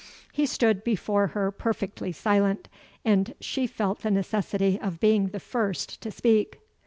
He stood before her perfectly silent, and she felt the necessity of being the first to speak.